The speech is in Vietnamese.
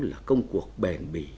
là công cuộc bền bỉ